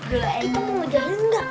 kita mau ngejar lenggak